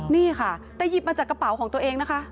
นี่ค่ะแต่หยิบมาจากกระเป๋าของตัวเองนะคะ